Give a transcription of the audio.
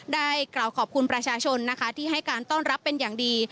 ได้กล่าวขอบคุณประชาชนนะคะที่ให้การต้อนรับเป็นอย่างดี